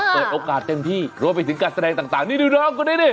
เปิดโอกาสเต็มที่รวมไปถึงการแสดงต่างนี่ดูน้องคนนี้นี่